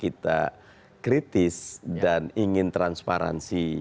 kita kritis dan ingin transparansi